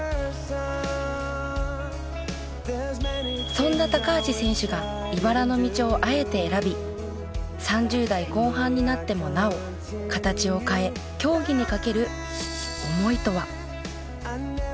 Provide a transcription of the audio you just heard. そんな高橋選手がいばらの道をあえて選び３０代後半になってもなお形を変え競技にかける思いとは？